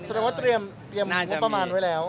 สำนวนว่าเตรียมมูลประมาณไว้แล้ว